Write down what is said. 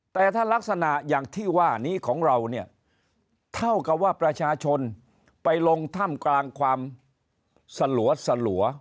แต่ถ้ารักษณะอย่างที่ว่านี้ของเราเนี่ยเท่ากับว่าประชาชนไปลงถ้ำกลางความสลัว